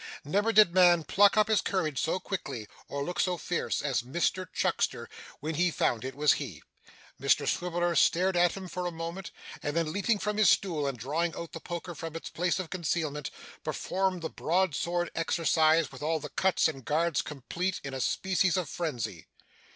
Never did man pluck up his courage so quickly, or look so fierce, as Mr Chuckster when he found it was he. Mr Swiveller stared at him for a moment, and then leaping from his stool, and drawing out the poker from its place of concealment, performed the broad sword exercise with all the cuts and guards complete, in a species of frenzy.